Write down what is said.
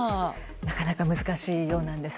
なかなか難しいようです。